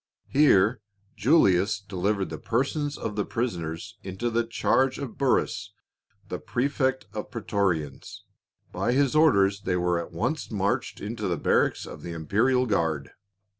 Here Julius delivered the persons of the prisoners into the charge of Burrus, the prefect of praetorians. By his orders they were at once marched into the barracks of the imperial guard.